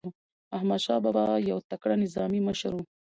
احمدشاه بابا یو تکړه نظامي مشر و.